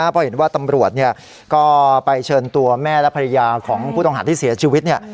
เพราะเห็นว่าตำรวจก็ไปเชิญตัวแม่และภรรยาของผู้ต้องหาที่เสียชีวิตเนี่ย